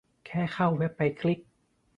แค่เข้าเว็บไปคลิก